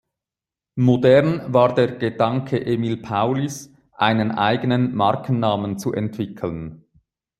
Modern war der Gedanke Emil Paulys, einen eigenen Markennamen zu entwickeln.